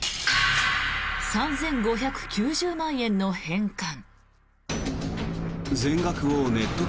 ３５９０万円の返還。